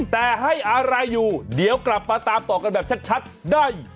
แต่ให้อะไรอยู่เดี๋ยวกลับมาตามต่อกันแบบชัดได้